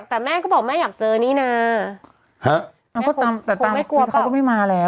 แต่แม่ก็บอกแม่อยากเจอนี่น่ะฮะแม่ก็ตามแต่ตามศาสนาคริสต์เขาก็ไม่มาแล้ว